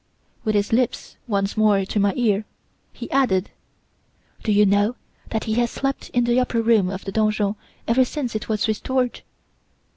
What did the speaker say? With his lips once more to my ear, he added: "'Do you know that he has slept in the upper room of the donjon ever since it was restored?